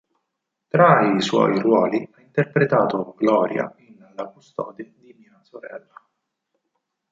Tra i suoi ruoli, ha interpretato Gloria in "La custode di mia sorella".